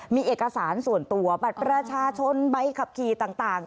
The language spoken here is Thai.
มีเอกสารส่วนตัวบัตรประชาชนใบขับขี่ต่าง